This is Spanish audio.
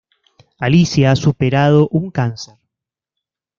Alicia ha superado un cáncer.